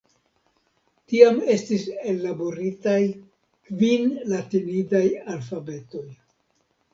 Tiam estis ellaboritaj kvin latinidaj alfabetoj.